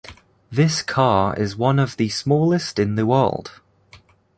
This car is one of the smallest in the world.